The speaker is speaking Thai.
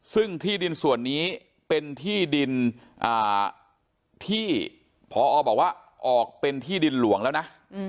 ซึ่งที่ดินส่วนนี้เป็นที่ดินที่พอบอกว่าออกเป็นที่ดินหลวงแล้วนะ